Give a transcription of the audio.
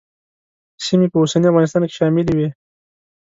سیمې په اوسني افغانستان کې شاملې وې.